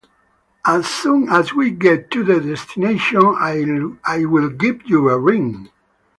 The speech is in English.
As soon as we get to the destination, I will give you a ring.